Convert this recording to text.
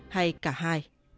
hay cả hai